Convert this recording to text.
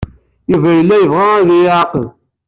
Yuba yella yebɣa ad iyi-iɛaqeb.